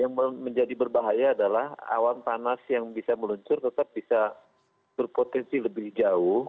yang menjadi berbahaya adalah awan panas yang bisa meluncur tetap bisa berpotensi lebih jauh